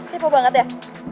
tepo banget ya